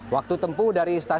waktu tempuh dari stasiun